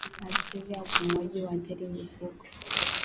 Matatizo ya upumuaji huathiri mifugo